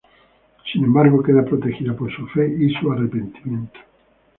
Sin embargo, queda protegida por su fe y su arrepentimiento.